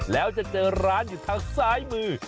แล้วจะเจอร้านอยู่ทางซ้ายมือ